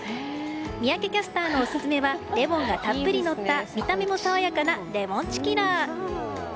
三宅キャスターのオススメはレモンがたっぷりのった見た目も爽やかなレモンチキラー。